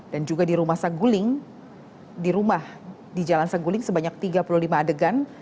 dan juga di rumah saguling di rumah di jalan saguling sebanyak tiga puluh lima adegan